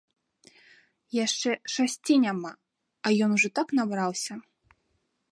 Яшчэ шасці няма, а ён ужо так набраўся.